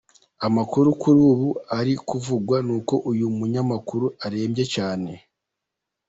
Amakuru kuri ubu ari kuvugwa nuko uyu Munyamakuru arembye cyane.